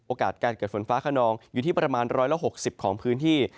การเกิดฝนฟ้าขนองอยู่ที่ประมาณ๑๖๐ของพื้นที่